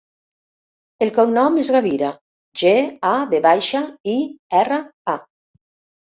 El cognom és Gavira: ge, a, ve baixa, i, erra, a.